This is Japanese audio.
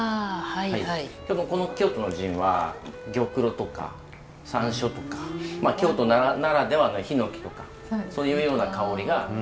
でもこの京都のジンは玉露とか山椒とか京都ならではのヒノキとかそういうような香りがついてるんです。